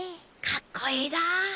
かっこいいだ。